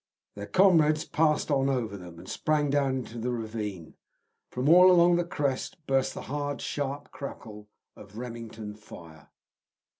Their comrades pressed on over them, and sprang down into the ravine. From all along the crest burst the hard, sharp crackle of Remington fire.